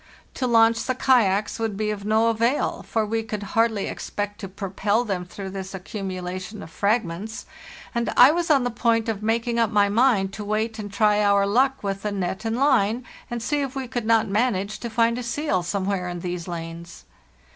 To launch the kayaks would be of no avail, for we could hardly expect to propel them through this accumulation of fragments, and I was on the point of making up my mind to wait and try our luck with the net and line, and see if we could not manage to find a seal somewhere in these lanes.